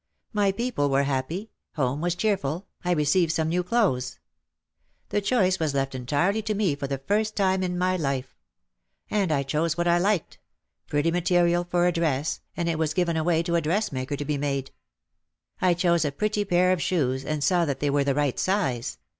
My people were happy, home was cheerful, I received some new clothes. The choice was left entirely to me for the first time in my life. And I chose what I liked, pretty material for a dress and it was given away to a dressmaker to be made. I chose a pretty pair of shoes and saw that they were the right size.